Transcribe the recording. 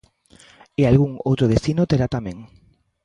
E algún outro destino terá tamén.